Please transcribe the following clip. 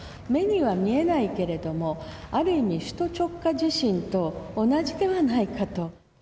目には見えないけれども、ある意味、首都直下地震と同じではないかと。